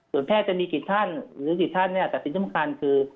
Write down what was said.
ส่วนแพทย์จะมีกี่ท่านหรือสิ่งที่ท่านตัดสินทรัพย์มันคือ